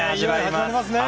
始まりますね。